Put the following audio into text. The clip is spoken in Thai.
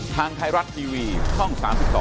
ทางไทยรัฐทีวีช่อง๓๒